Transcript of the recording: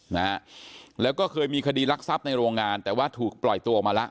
นะฮะแล้วก็เคยมีคดีรักทรัพย์ในโรงงานแต่ว่าถูกปล่อยตัวออกมาแล้ว